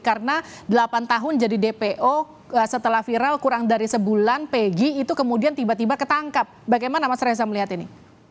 karena delapan tahun jadi dpo setelah viral kurang dari sebulan pegi itu kemudian tiba tiba ketangkap bagaimana mas reza melihat ini